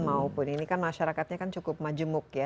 maupun ini kan masyarakatnya kan cukup majemuk ya